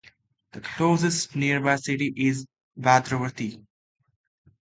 The closest nearby city is Bhadravati.